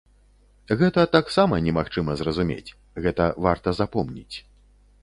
Гэта таксама немагчыма зразумець, гэта варта запомніць.